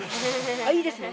いいですね。